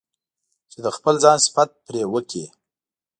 چې د خپل ځان صفت پرې وکړي.